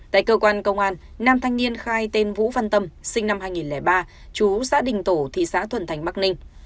tại cơ quan công an nam thanh niên khai tên vũ văn tâm sinh năm hai nghìn ba chú xã đình tổ thị xã thuận thành bắc ninh